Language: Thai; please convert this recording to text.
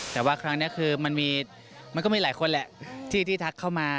แต่ว่าครั้งนี้คือมันก็มีหลายคนแหละที่ทักเข้ามา